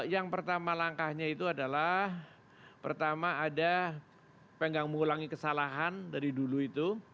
yang pertama langkahnya itu adalah pertama ada pegang mengulangi kesalahan dari dulu itu